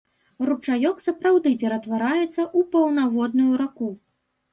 Ручаёк сапраўды ператвараецца ў паўнаводную раку.